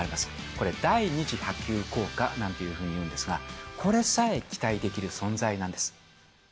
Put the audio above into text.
これ、第２次波及効果なんていうふうにいうんですが、これさえ期待できる存在なんです。